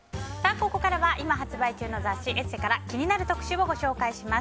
ここからは今発売中の雑誌「ＥＳＳＥ」から気になる特集をご紹介します。